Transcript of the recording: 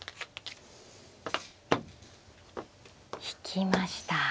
引きました。